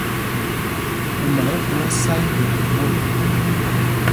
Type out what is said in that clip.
Kuma ɛ gu ɛ ɛsá ivekle i ɓot.